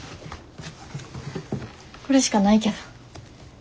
これしかないけど。